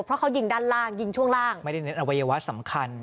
เพราะเขายิงด้านล่างยิงช่วงล่างไม่ได้เน้นอวัยวะสำคัญ